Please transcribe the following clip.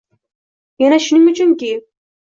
yana shuning uchunki